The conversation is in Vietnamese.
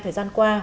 thời gian qua